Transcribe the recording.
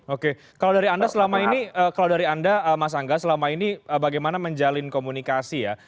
oke kalau dari anda selama ini kalau dari anda mas angga selama ini bagaimana menjalin komunikasi ya